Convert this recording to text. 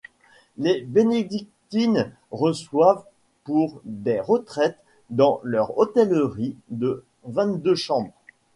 Les bénédictines reçoivent pour des retraites dans leur hôtellerie de vingt-deux chambres.